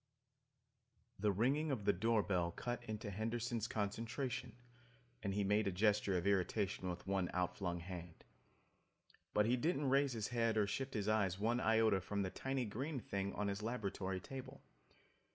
The ringing of the door bell cut into Henderson's concentration and he made a gesture of irritation with one outflung hand. But he didn't raise his head or shift his eyes one iota from the tiny green thing on his laboratory table.